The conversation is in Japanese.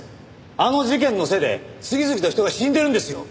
あの事件のせいで次々と人が死んでるんですよ。